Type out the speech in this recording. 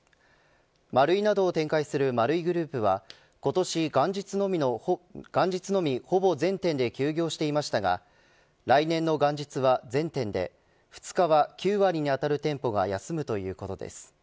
マルイなどを展開する丸井グループは今年、元日のみほぼ全店で休業していましたが来年の元日は全店で２日は９割にあたる店舗が休むということです。